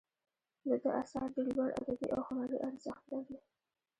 د ده آثار ډیر لوړ ادبي او هنري ارزښت لري.